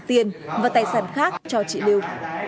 tiền và tài sản khác cho chị lưu